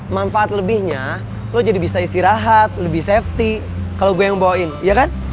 manfaat lebihnya lo jadi bisa istirahat lebih safety kalau gue yang bawain ya kan